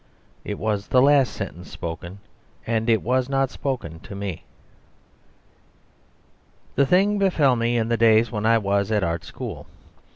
It was the last sentence spoken; and it was not spoken to me. The thing befell me in the days when I was at an art school.